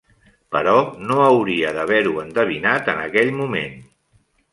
Però no hauria d'haver-ho endevinat en aquell moment.